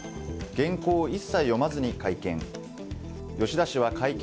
原稿を一切読まずに会見。